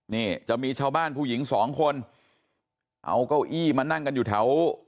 นี่จะมีชาวบ้านผู้หญิงสองคนเอาเก้าอี้มานั่งกันอยู่แถว